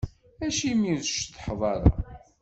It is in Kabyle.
Acimi ur tceṭṭḥeḍ ara?